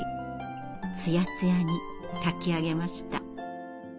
つやつやに炊きあげました。